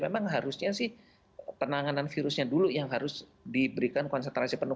memang harusnya sih penanganan virusnya dulu yang harus diberikan konsentrasi penuh